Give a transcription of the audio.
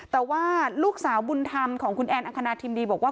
แต่ว่าลูกสาวบุญธรรมของคุณแอนอังคณาทิมดีบอกว่า